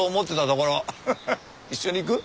一緒に行く？